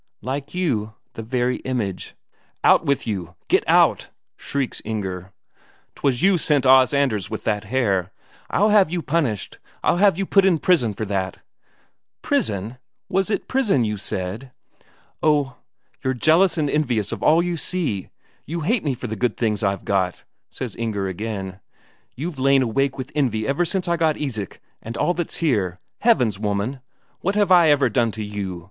"Like you. The very image." "Out with you get out!" shrieks Inger. "'Twas you sent Os Anders with that hare. I'll have you punished; I'll have you put in prison for that." "Prison was it prison you said?" "Oh, you're jealous and envious of all you see; you hate me for all the good things I've got," says Inger again. "You've lain awake with envy since I got Isak and all that's here. Heavens, woman, what have I ever done to you?